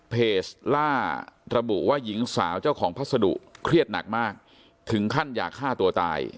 ล่าระบุว่าหญิงสาวเจ้าของพัสดุเครียดหนักมากถึงขั้นอยากฆ่าตัวตาย